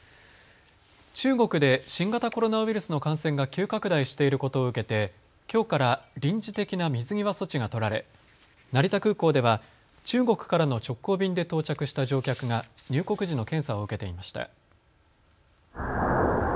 中国で新型コロナウイルスの感染が急拡大していることを受けて、きょうから臨時的な水際措置が取られ成田空港では中国からの直行便で到着した乗客が入国時の検査を受けていました。